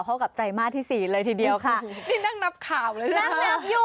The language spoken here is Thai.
เข้ากับไตรมาสที่สี่เลยทีเดียวค่ะนี่นั่งนับข่าวเลยนั่งนับอยู่